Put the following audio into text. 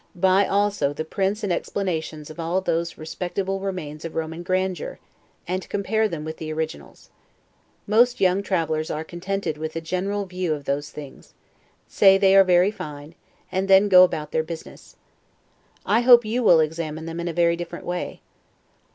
Buy also the prints and explanations of all those respectable remains of Roman grandeur, and compare them with the originals. Most young travelers are contented with a general view of those things, say they are very fine, and then go about their business. I hope you will examine them in a very different way.